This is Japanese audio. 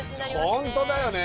本当だよね。